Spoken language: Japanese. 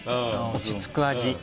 落ち着く味